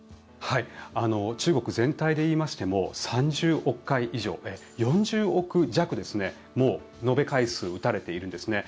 中国全体で言いましても３０億回以上４０億弱、もう延べ回数打たれているんですね。